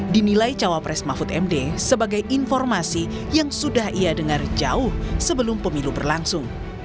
dinilai cawapres mahfud md sebagai informasi yang sudah ia dengar jauh sebelum pemilu berlangsung